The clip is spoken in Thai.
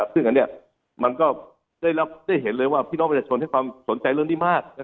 ซึ่งอันนี้มันก็ได้เห็นเลยว่าพี่น้องประชาชนให้ความสนใจเรื่องนี้มาก